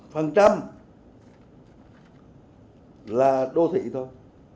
phần trăm là đô thị thôi